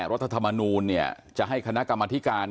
รัฐธรรมนูลจะให้คณะกรรมธิการ